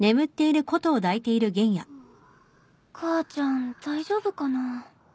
母ちゃん大丈夫かな。